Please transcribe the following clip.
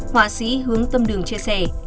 họa sĩ hướng tâm đường chia sẻ